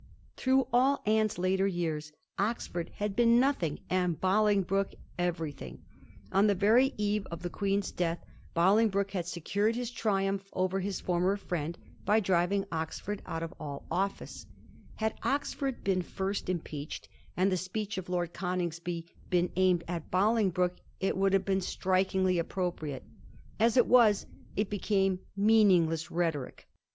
Through all Anne^s. later years Oxford had been nothing and Bolingbroke everything. On the very eve of the Queen's death Digiti zed by Google 1716 'AN INTRICATE IMPEACH IS THISi' 145 Bolingbroke had secured his triumph over his former friend by driving Oxford out of all office. Had Oxford been first impeached and the speech of Lord Coningsby been aimed at Bolingbroke, it would have been strikingly appropriate ; as it was, it became meaningless rhetoric.